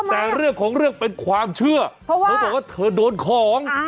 แต่เรื่องของราวความเชื่อเขาก็บอกว่าเธอโดนคลอง